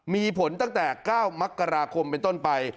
มีผลตั้งแต่ก้าวมรคคมเป็นต้นไป